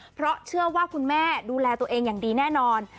เพราะเชื่อว่าคุณแม่ดูแลตัวเองอย่างดีแน่นอน